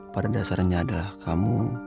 pada dasarnya adalah kamu